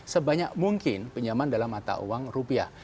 sebanyak mungkin pinjaman dalam mata uang rupiah